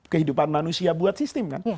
kehidupan manusia buat sistem kan